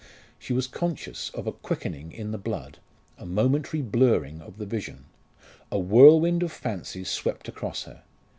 She was conscious of a quickening in the blood, a momentary blurring of the vision. A whirlwind of fancies swept across her.